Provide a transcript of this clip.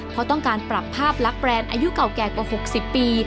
เพราะต้องการปรับภาพลักษณ์แรนด์อายุเก่าแก่กว่า๖๐ปี